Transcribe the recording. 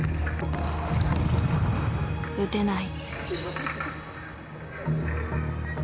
打てない。